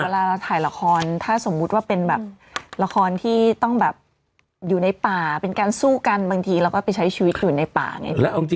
เวลาเราถ่ายละครถ้าสมมุติว่าเป็นแบบละครที่ต้องแบบอยู่ในป่าเป็นการสู้กันบางทีเราก็ไปใช้ชีวิตอยู่ในป่าไง